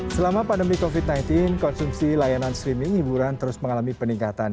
selama pandemi covid sembilan belas konsumsi layanan streaming hiburan terus mengalami peningkatan